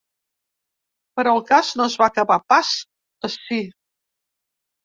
Però el cas no es va acabar pas ací.